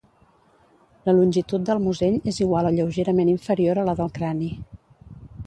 La longitud del musell és igual o lleugerament inferior a la del crani.